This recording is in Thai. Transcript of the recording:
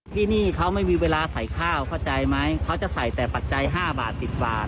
ที่นี่เขาไม่มีเวลาใส่ข้าวเข้าใจไหมเขาจะใส่แต่ปัจจัย๕บาท๑๐บาท